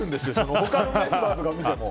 他のメンバーとかを見ても。